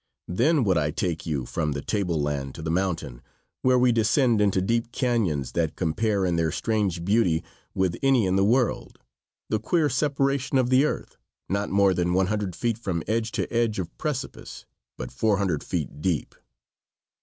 Then would I take you from the table land to the mountain, where we descend into deep canons that compare in their strange beauty with any in the world; the queer separation of the earth, not more than 100 feet from edge to edge of precipice, but 400 feet deep.